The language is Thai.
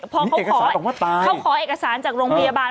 พอเขาขอเอกสารจากโรงพยาบาล